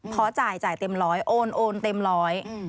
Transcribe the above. พอจ่ายเจ๋มร้อยโอนเจ๋มร้อย